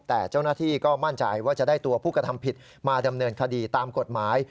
แต่เจ้าหน้าที่ก็มั่นใจว่าจะได้ตัวผู้กระทำผิดมาดำเนินคดีตามกฎหมาย